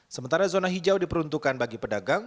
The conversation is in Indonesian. sementara zona hijau diperuntukkan bagi pedagang